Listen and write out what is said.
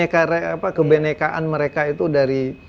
kebenekaan mereka itu dari